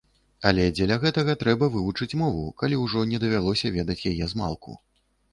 Але дзеля гэтага трэба вывучыць мову, калі ўжо не давялося ведаць яе змалку.